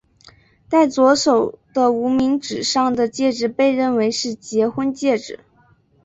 戴左手的无名指上的戒指被认为是结婚戒指。